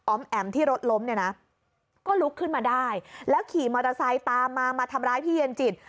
แอ๋มที่รถล้มเนี่ยนะก็ลุกขึ้นมาได้แล้วขี่มอเตอร์ไซค์ตามมามาทำร้ายพี่เย็นจิต